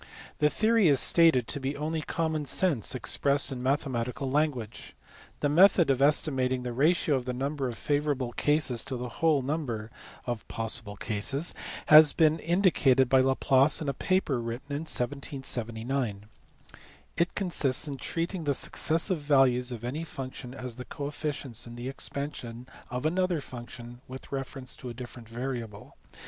The theory is stated to be only common sense ex pressed in mathematical language. The method of estimating the ratio of the number of favourable cases to the whole number of possible cases had been indicated by Laplace in a paper written in 1779. It consists in treating the successive values of any function as the coefficients in the expansion of another function with reference to a different variable.